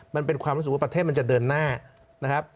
มันเป็นความรู้สึกว่าประเทศมันจะเดินหน้านะครับ